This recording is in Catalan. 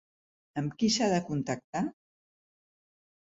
Amb qui s’ha de contactar?